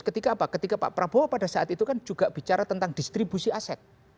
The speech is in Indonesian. ketika apa ketika pak prabowo pada saat itu kan juga bicara tentang distribusi aset